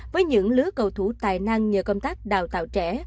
với những lứa cầu thủ tài năng nhờ công tác đào tạo trẻ